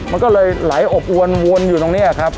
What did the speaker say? มันก็เลยไหลอบอวนอยู่ตรงนี้ครับ